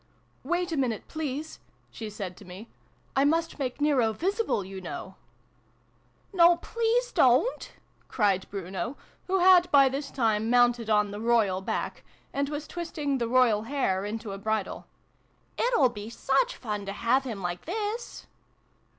"Wait a minute, please!" she said to me. "I must make Nero visible, you know!" " No, please don't !" cried Bruno, who had by this time mounted on the Royal back, and was twisting the Royal hair into a bridle. " It'll be such fun to have him like this